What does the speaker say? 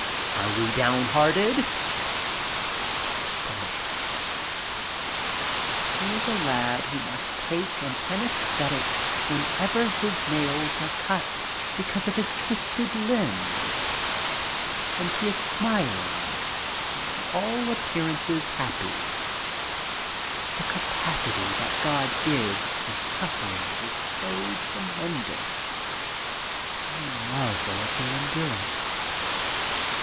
"Are We Downhearted?" A superman. I FLY FROM PARIS TO LONDON 129 Here is a lad who must take an anaesthetic whenever his nails are cut because of his twisted limbs. And he is smiling and to all appearances happy. The capacity that God gives for suffering is so tremendous, I marvel at their endurance.